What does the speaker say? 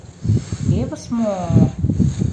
— Тевыс мо-о-о...